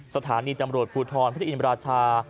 สถานีตำรวจภูทรพระอินราชา